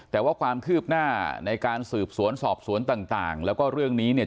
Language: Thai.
แต่ว่าความคืบหน้าในการสืบสวนสอบสวนต่างแล้วก็เรื่องนี้เนี่ย